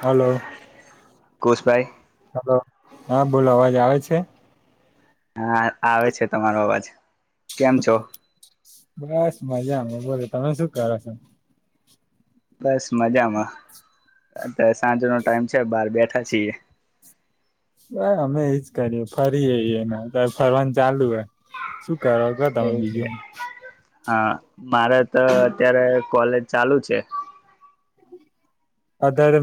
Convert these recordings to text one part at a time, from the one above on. Hello ઘોસપયપ hello હા બોલો અવાજ આવે છે હા આવે છે તમારો અવાજ કેમ છો બસ મજામાં. બોલો, તમે શું કરો છો? બસ મજામાં. અત્યારે સાંજ નો ટાઈમ છે, બહાર બેઠા છીએ. બહ અમે ઈ જ કરીએ, ફરીએ ઈ અમે, બહ ફરવાનું ચાલુ હે. શું કરો કે તમે એવું છે બીજું? હા. મારે તો અત્યારે કોલેજ ચાલુ છે. અતારે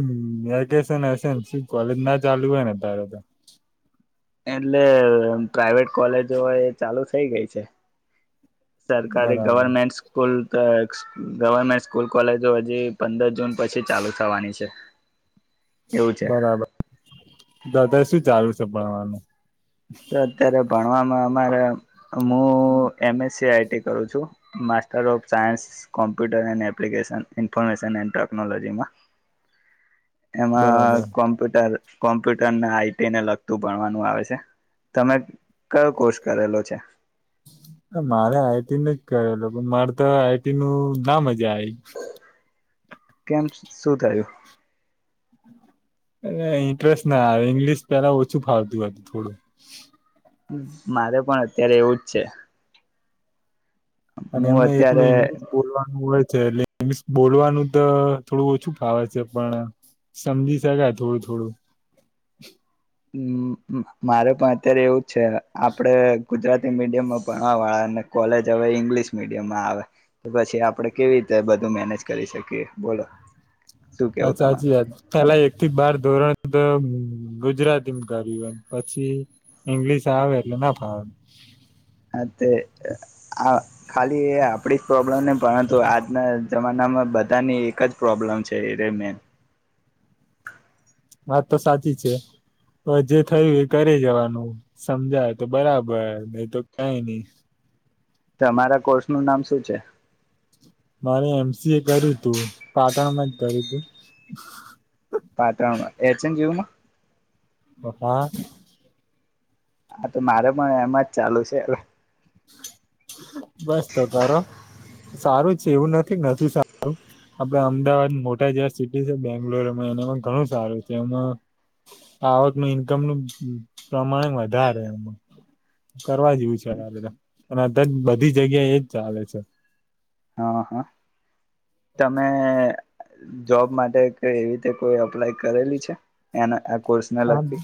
વેકેશન હશે, શું કોલેજ ના ચાલુ હોય ને અતારે તો? એટલે પ્રાઈવેટ કોલેજો હોય એ ચાલુ થઈ ગઈ છે. સરકારી બરાબર government school [unintelligible] government school, college તો હજી પંદર જૂન પછી ચાલુ થવાની છે. એવું છે. બરાબર અત્યારે શું ચાલુ છે ભણવાનું? તો અત્યારે ભણવામાં મારે હું M S C I T કરું છું, master of science computer and application information and ટેકનોલોજીમાં. એમાં બરાબર કોમ્પ્યુટર કોમ્પ્યુટરને આઈટીને લગતું ભણવાનું આવે છે, તમે કયો કોર્સ કરેલો છે? કરેલો પણ મારે તો આઈટી નું ના મજા આઈ. કેમ શું થયું? ઇન્ટરેસ્ટ ના આયો, ઇંગ્લિશ પેલા ઓછું ફાવતું હતું થોડું. મારે પણ અત્યારે એવુંજ છે. અને હું એમે એકલું અત્યારે ઇંગ્લિશ બોલવાનું હોય ઇંગ્લિશ બોલવાનું તો થોડું ઓછું ફાવે છે, પણ સમજી શકાય થોડું-થોડું. હમ્મ, મારે પણ અત્યારે એવું છે આપડે ગુજરાત મીડિયમમાં ભણવા વાળા અને કોલેજ હવે ઇંગ્લિશ મીડિયમમાં આવે, તો પછી આપડે કેવી રીતે બધું મેનેજ કરી શકીએ, બોલો શું હા કેવું તમારે સાચી વાત, પેલા એકથી બાર ધોરણ તો ગુજરાતી કર્યું હોય પછી ઈંગ્લિશ આવે એટલે ના ફાવે. હા તે આ ખાલી આપડી જ પ્રોબ્લેમ ને પરંતુ આજના જમાનામાં બધાની એક જ પ્રોબ્લેમ છે એ રઇ મેન. વાત તો સાચી છે તો જે થયું એ કરી જવાનું સમજાય તો બરાબર એ તો કાઈ નઈ. તમારા કોર્સ નું નામ શું છે? મારે એમ સી એ કર્યું તું, પાટણમાં જ કર્યું તું. Patan H A G U માં. હ હા. હા તો મારે પણ એમા જ ચાલુ છે એ હ બસ તો કરો. સારું છે એવું નથી નથી સારું આપડે અમદાવાદ મોટા જે સિટી છે બેંગ્લોર એમાં એનામાં ઘણું સારું છે, એમાં આવકનું ઈન્કમ નું પ્રમાણ વધારે એમાં કરવા જેવું છે [unintelligible] અને અત્યાર બધી જગ્યા એજ ચાલે છે. હ હ તમે જોબ માટે કે એવી રીતે કોઈ અપ્લાય કરેલી છે એના આ કોર્સ ના આમ લગતી.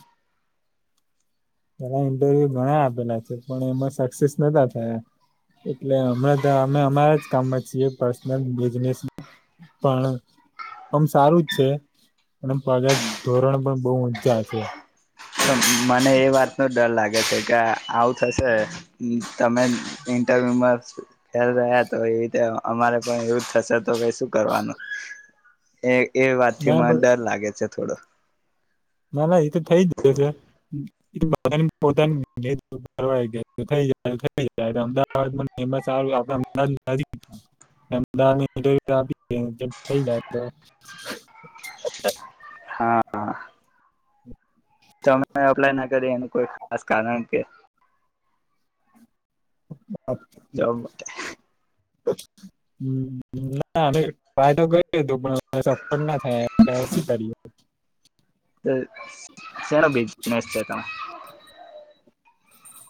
પેલા ઇન્ટરવ્યુ ઘણા આપેલા છે પણ એમાં સક્સેસ નતા થયા એટલે હમણાં અમે અમારા જ કામમાં છીએ પર્સનલ બિઝનેસ પણ આમ સારું જ છે અને પગાર ધોરણ પણ બહુ ઊંચા છે. મને એ વાત ની ડર લાગે છે કે આવુ થશે તમે ઇન્ટરવ્યુમાં ફેલ રહ્યા તો એવી રીતે અમારે પણ એવું જ થશે તો પઈ શું કરવાનું? એ એ વાત થી ના મને ડર લાગે છે. થોડો. ના ના એ તો થઈ જ જશે ઇતો બધા ની પોતાની રીત પર હોય કે થઈ જાય તો થઈ જાય અમદાવાદમા [inaudible] ને એમાં સારું આપણ ને અમદાવાદ નજીક અમદાવાદ માં ઇન્ટરવ્યુ આપી દેવાનું જો થઈ જાય તો હા તમે એપ્લાય ના કરી એનું કોઈ ખાસ કારણ કે. હ આપ જોબ [inaudible] ના અમે ટ્રાય તો કરી હતું પણ સફળ ના થાય એટલે હવે શું કરીએ? [inaudible] [unintelligible] [unintelligible] શેનો બિઝનેસ છે તમા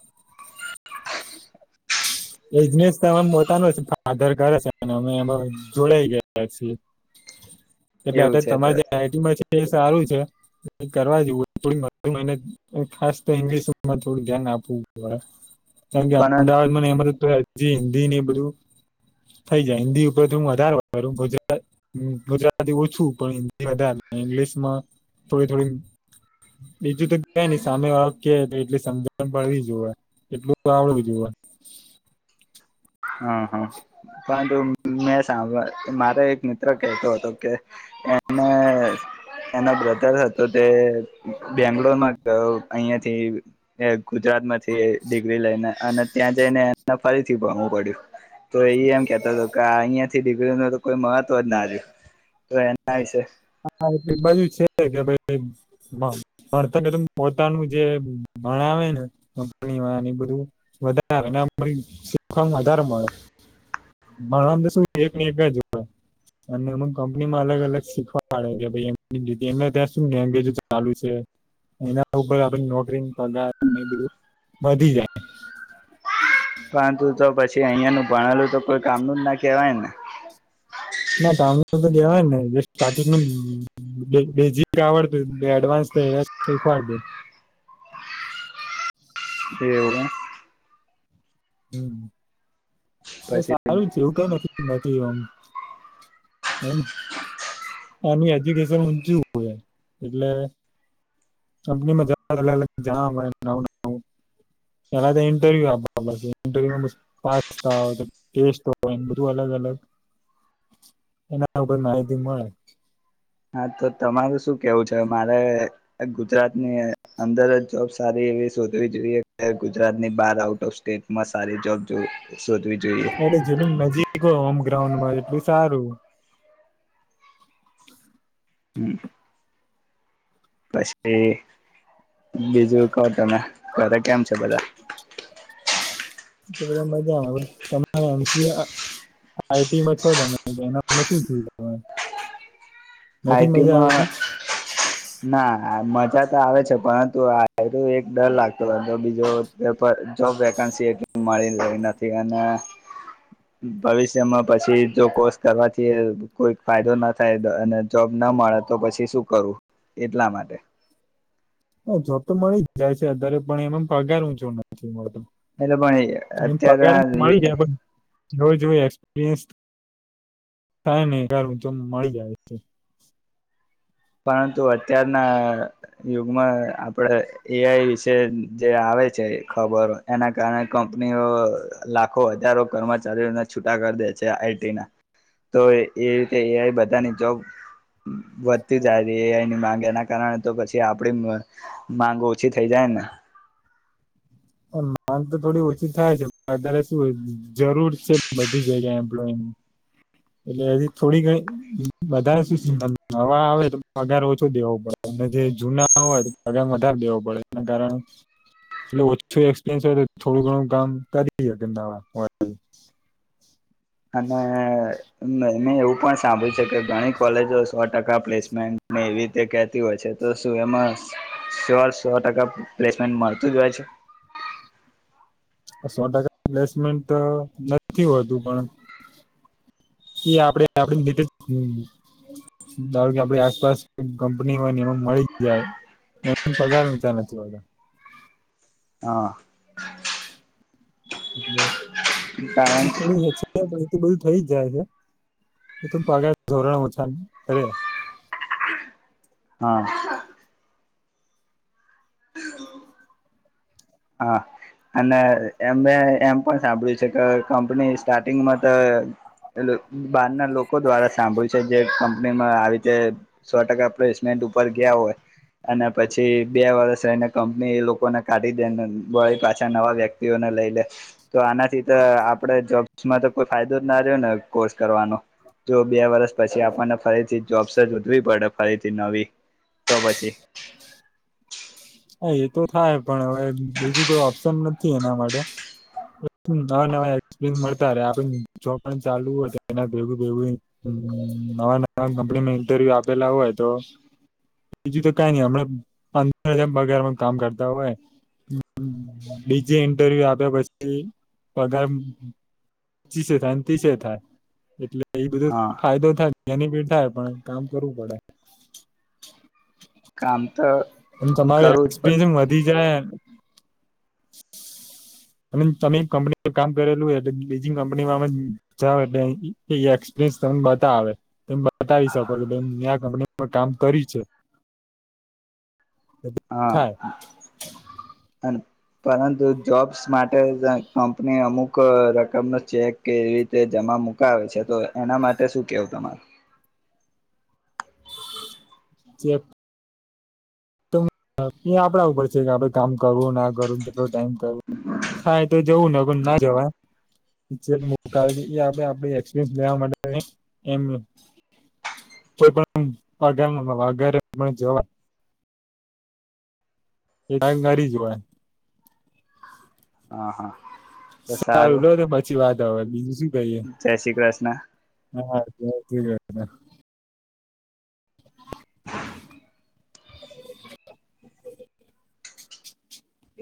[inaudible] બિઝનેસ ત અમાર પોતાનું છે ફાધર કરે છે ને અમે જોડાઈ ગયા છીએ. એટલે એવું અતાર છે તો તમાર જ્યાં આઈટીમાં છે એ સારું છે કરવા જેવું થોડી વધુ મહેનત ખાસ તો ઇંગ્લિશમાં થોડું ધ્યાન આપવું પડે. કારણ કે પણ અમદાવાદ માં ને એમાં [unintelligible] તો હજી હિન્દી ને બધું થઈ જાય હિન્દી ઉપર હું વધાર હોયરુ ગુજરા ગુજરાતી ઓછું પણ હિન્દી વધારે ઇંગ્લિશમાં થોડી થોડી બીજું તો કયની સામે વાળો કે એટલી સમજણ પડવી જોએ એટલું આવડું જોએ. હા હા પરંતુ મેં સાંભળ મારે એક મિત્ર કહેતો હતો કે અને એના બ્રધર હતો તે બેંગ્લોરમાં ગયો અહીંયાથી ગુજરાતમાંથી ડિગ્રી લઈને અને ત્યાં જઈને એ ફરીથી ભણવું પડયું તો ઈ એમ કેતો હતો કે અહિયાં થી ડિગ્રી ન તો કોઈ મહત્વ જ ના રહ્યું તો એના વિશે હા એટલે બાજુ છે કે ભઇ પોતાનું જે ભણાવ ને કંપનીમાં એ બધું વધારે શીખવામાં વધારે મળે ભણવામાં તો શું એક એક જ હોય અને અમુ કંપનીમાં અલગ અલગ શીખ એમને ત્યા શું એેજ ચાલુ છે એના ઉપર આપ નોકરી ને પગર બધું વધી જાય. પરંતુ તો પછી અહિયાં ન ભણેલું તો કોઈ કામનું જ ના કેવાય ને. ના કામને તો દેવા ન સાચું કેમ, જો બેઝિક આવડતું હોય એડવાન્સ શીખવાડ દેય. [inaudible] એવું. હમ. તો પછી સારું છે એવું કઈ નથી. [inaudible] એમ એની એજ્યુકેશન કેશન ઊચું હોય એટલે કંપનીમાં જ અલગ જ પેલા તો ઇન્ટરવ્યુ આપવા પડશે ઇન્ટરવ્યુમાં પાસ થાવ, ટેસ્ટ હોય, એ બધું અલગ અલગ એના ઉપર માહિતી મળે. હા તો તમારું શું કેવું છે મારે ગુજરાતની અંદર જ જોબ સારી એવી શોધવી જોઈએ કે ગુજરાતની બાર આઉટ ઓફ સ્ટેટમાં સારી જોબ જોઈ એરે જેટલું નજીક હોય હોમ ગ્રાઉન્ડમાં એટલું સારું. હમ્. પછી, બીજું કો તમે ઘરે કેમ છો બધા? તો મજા આવે ત એસી આઈટીમાં છો તમે એના નથી થ આઈટીમાં, ના. હા, મજા તો આવે છે પરંતુ આ [inaudible] એક ડર લાગતો હતો. બીજું પ જોબ વેકન્સી મળી નથી અને ભવિષ્યમાં પછી જો કોર્સ કરવાથી કોઈ ફાયદો ના થાય અને જોબ ના મળે તો પછી શું કરું એટલા માટે. હા જોબ તો મળી જ જાય છે અત્યારે પણ એમાં પગાર ઊંચો નથી મળતો. એ પણણી એમ અત્યારે યારે આ [inaudible] એક્પિરયસ થાય ને જો મળી જાય. પરંતુ અત્યારના યુગમાં આપણે એઆઈ વિશે જે આવે છે ખબરો એના કારણે કંપનીઓ લાખો વધારો કર્મચારીઓને છૂટા કરી દે છે આઈટી ના તો એ રીતે એઆઈ બધાની જોબ જાય એઆઈ ની માંગ એના કારણે તો પછી આપડી માંગ ઓછી થઈ જાય ને. માંગ તો થોડી ઓછી થાય છે અત્યારે શું જરૂર છે બધી જગ્યા એમ્પ્લોયની એટલે એ થોડી ઘણી વધારે નવા આવે તો પગાર ઓછો દેવો પડે અને જે જૂના હોય પગાર વધારે દેવો પડે એના કારણે એટ ઓછો એક્સપિરયન્સ હોય તો થોડું ઘણું કામ કરી [inaudible] અને નય. એ એવું પણ સાંભળ્યું છે કે ઘણી કોલેજો સો ટકા પ્લેસમેન્ટ એવી રીતે કેતી હોય છે તો શું એમાં શ્યોર સો ટકા પ્લેસમેન્ટ મળતું જ હોય છે. સો ટકા પ્લેસમેન્ટ તો નથી હોતું પણ એ આપડે આપ ધારો કે આપડી આસપાસ કંપની હોય ને એમાં મળી જાય એ પગાર ઊંચા નથી હોતા. હા. એટલે. હ કારણ કે [inaudible] છે. ઈ‌ બધું થઈ જ જાય છે પગાર ધોરણ ઓછા કરે. હા. હા અને એ એમ પણ સાંભળ્યું છે કે કંપની સ્ટાર્ટિંગમાં તો બાર ના લોકો. લોકો દ્વારા સાંભળ્યું છે જે. માં આવી રીતે સો ટકા પ્લેસમેન્ટ ઉપર ગયા હોય અને પછી બે વર્ષ રહીને કંપની એ લોકોને કાઢી. પાછા નવા વ્યક્તિઓને લઈ લે તો આનાથી તો આપણે જોબ્સમાં તો કોઈ ફાયદો જ ના રહ્યો ને કોર્સ કરવાનો જો બે વર્ષ. પછી આપણને ફરીથી. જોબસ જો ઉધવી પડે ફરીથી નવી તો પછી. હા એ તો થાય પણ હવે બીજું કોઈ ઓપ્શન નથી એના માટે ન ન એસપય મળતા ર જો ચાલુ હોય એ ભગુંગું નવા ન કંપનીમાં ઇન્ટરવ્યુ આપેલા હોય તો. ક નમ પંદર હજાર પગારમાં કામ કરતા હોય બીજે ઇન્ટરવ્યુ આપ્યા પછી પગાર પચીસે થાય તીસે થાય એટલે. એ બધો હા ફાયદો થાય. એની પી થાય પણ કામ કરવું પડે. કામ તો એ તમારું કરવું જ પડે એક્સપિરયસ વધી જાય. અને તમે કંપનીમાં કામ કરેલું હોય એટલે બીજિંગ કંપનીમાં જાાવ એટલે એક્સપિરિયન્સ ત બતાવે તમે બતાવી શકો કે મેં આ કંપનીમાં કામ કર્યું છે હા થાય અને. પરંતુ જોબ્સ માટે કંપની અમુક રકમનો ચેક એવી રીતે જમા મુકાવે છે તો એના માટે શું કેવું તમાર. કે. એ આપડા ઉપર છે કે આપડે કામ કરવું ના કરવુંને કેટલો ટાઈમ. થાય તો જવું ને પણ ના જવા. જેમ કારીએ આપે આપે [unintelligible] લેવા માટે [unintelligible] એમ કોઈપણ [unintelligible] વગર જવા એ ટાઈમ કાથી જોવાય? હા હા. સારું લો તો પછી વાત હવે. બીજું શું ગઈએ જય શ્રી કૃષ્ણ. હા [unintelligible] [inaudible]